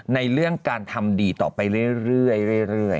ในเรื่องการทำดีต่อไปเรื่อย